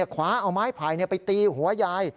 ขวาเอาไม้ผ่ายไปตีหัวยาย